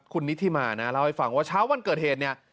คุณณิธิมาเนี่ยเราให้ฟังว่าเช้าวันเกิดเหตุ